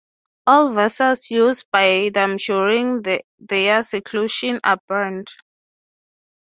All vessels used by them during their seclusion are burned.